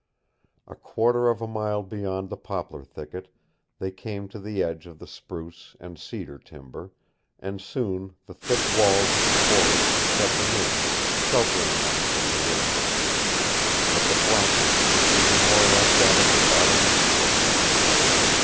A quarter of a mile beyond the poplar thicket they came to the edge of the spruce and cedar timber, and Soon the thick walls of the forest shut them in, sheltering them from the wind, but the blackness was even more like that of a bottomless pit.